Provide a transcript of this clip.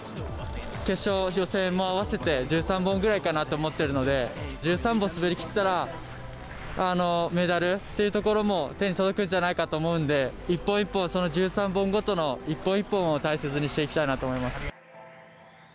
決勝、予選も合わせて１３本ぐらいかなと思ってるので、１３本滑りきったら、メダルっていうところも手に届くんじゃないかと思うんで、一本一本その１３本ごとの一本一本を大切にしていきたいなと思います。